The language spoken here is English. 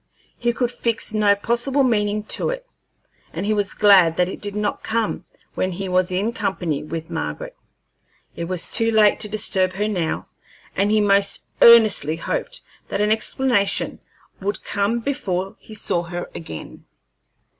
He could fix no possible meaning to it, and he was glad that it did not come when he was in company with Margaret. It was too late to disturb her now, and he most earnestly hoped that an explanation would come before he saw her again.